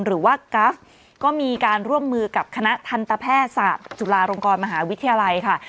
หรือว่ากราฟก็มีการร่วมมือกับคณะทันตแพทย์ศาสตร์จุฬาลงกรมหาวิทยาลัยค่ะ